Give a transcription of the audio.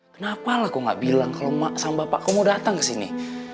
kenapa lah kok gak bilang kalo mak sama bapak kok mau datang kesini